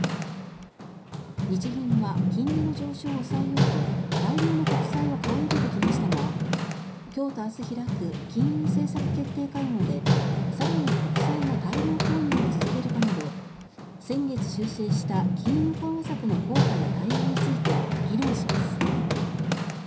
日銀は金利の上昇を抑えようと大量の国債を買い入れてきましたが今日と明日開く金融政策決定会合で更に国債の大量購入を続けるかなど先月修正した金融緩和策の効果や対応について議論します。